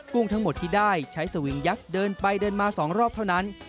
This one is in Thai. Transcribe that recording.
ุ้งทั้งหมดที่ได้ใช้สวิงยักษ์เดินไปเดินมา๒รอบเท่านั้น